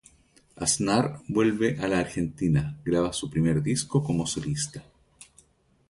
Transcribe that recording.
Aznar vuelve a la Argentina; graba su primer disco como solista.